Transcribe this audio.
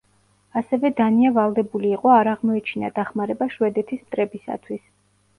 ასევე დანია ვალდებული იყო არ აღმოეჩინა დახმარება შვედეთის მტრებისათვის.